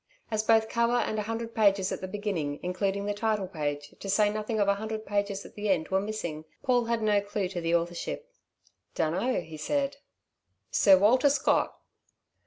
As both cover and a hundred pages at the beginning, including the title page, to say nothing of a hundred pages at the end, were missing, Paul had no clue to the authorship. "Dunno," said he. "Sir Walter Scott."